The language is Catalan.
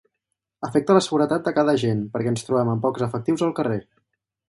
Afecta la seguretat de cada agent, perquè ens trobem amb pocs efectius al carrer.